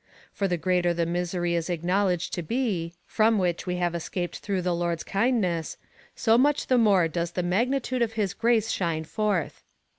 For the greater the misery is acknowledged to be, from which we have escaped through the Lord's kind ness, so much the more does the magnitude of his grace shine forth.